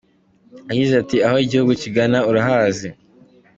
Yagize ati "Aho igihugu kigana urahazi.